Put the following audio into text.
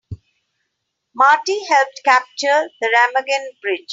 Marty helped capture the Remagen Bridge.